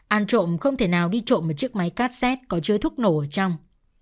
ăn trộm không thể nào đi trộm một chiếc máy cassette có chứa thuốc nổ ở trong